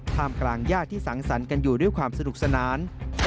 กลางญาติที่สังสรรค์กันอยู่ด้วยความสนุกสนาน